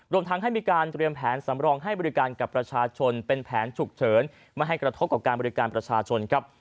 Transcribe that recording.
รวมทั้งให้มีการเตรียมแผนสำรองให้บริการกับประชาชนเป็นแผนฉุกเฉินไม่ให้กระทบกับการบริการประชาชนครับ